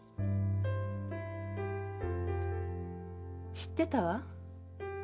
知ってたわ。